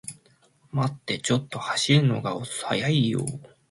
待ってー、ちょっと走るの速いよー